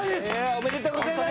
おめでとうございます。